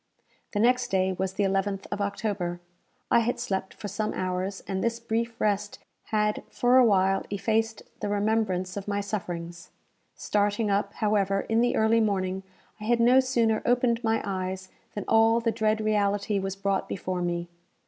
The next day was the 11th of October. I had slept for some hours, and this brief rest had for awhile effaced the remembrance of my sufferings. Starting up, however, in the early morning, I had no sooner opened my eyes than all the dread reality was brought before me.